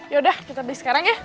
yaudah kita beli sekarang ya